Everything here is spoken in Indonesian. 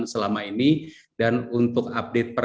selama ini dan untuk update per